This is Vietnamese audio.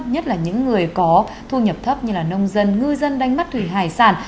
nhất là những người có thu nhập thấp như là nông dân ngư dân đánh mắt thủy hải sản